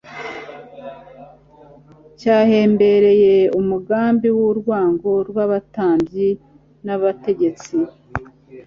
cyahembereye umugambi w’urwango rw’abatambyi n’abategetsi.